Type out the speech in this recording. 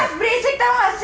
mas berisik tau gak sih